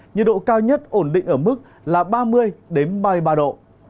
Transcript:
nhiệt độ cao nhất ổn định ở mức là ba mươi ba mươi ba độ